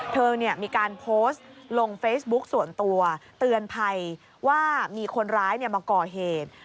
เธอมีการโพสต์ลงเฟซบุ๊กส่วนตัวเตือนภัยว่ามีคนร้ายมาก่อเหตุ